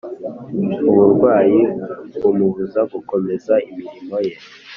Uburwayi bumubuza gukomeza imirimo ye